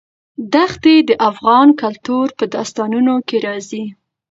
دښتې د افغان کلتور په داستانونو کې راځي.